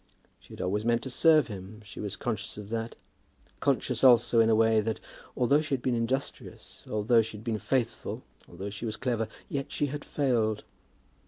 She had always meant to serve him. She was conscious of that; conscious also in a way that, although she had been industrious, although she had been faithful, although she was clever, yet she had failed.